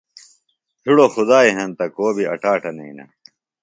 ہِڑوۡ خدائی ہنتہ کو بیۡ اٹاٹہ نئینہ۔